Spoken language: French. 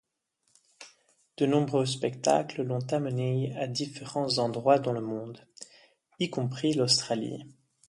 De nombreux spectacles l'ont amenée à différents endroits dans le monde, y compris l'Australie.